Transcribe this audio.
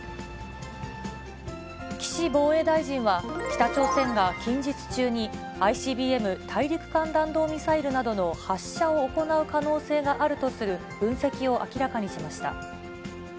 岸防衛大臣は、北朝鮮が近日中に、ＩＣＢＭ・大陸間弾道ミサイルなどの発射を行う可能性があるとする分析を明らかにしました。